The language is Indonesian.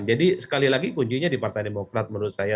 jadi sekali lagi kuncinya di partai demokrat menurut saya